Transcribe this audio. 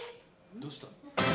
どうした？